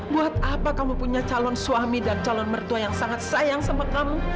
buat apa kamu punya calon suami dan calon mertua yang sangat sayang sama kamu